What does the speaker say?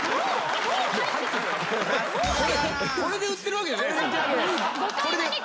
これで売ってるわけじゃないですよね？